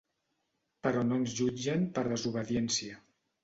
Però no ens jutgen per desobediència.